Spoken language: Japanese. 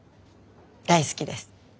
大好きです。